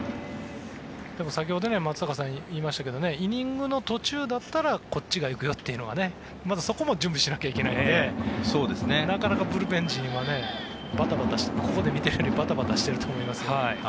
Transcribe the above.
先ほど松坂さんが言いましたがイニングの途中だったらこっちが行くよというまたそこも準備しなきゃいけないのでなかなかブルペン陣はここで見ているようにバタバタしてると思いますよ。